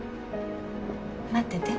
待ってて。